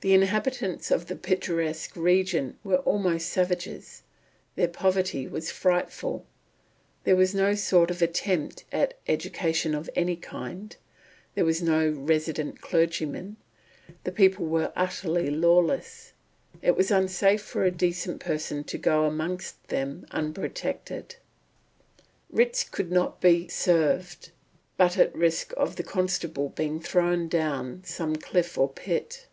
The inhabitants of the picturesque region were almost savages; their poverty was frightful; there was no sort of attempt at education of any kind; there were no resident clergymen; the people were utterly lawless; it was unsafe for a decent person to go amongst them unprotected; writs could not be served but at risk of the constable being thrown down some cliff or pit.